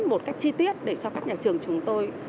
một cách chi tiết để cho các nhà trường chúng tôi